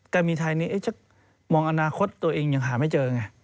การบินไทยนี้จะมองอนาคตตัวเองยังหาไม่เจอไง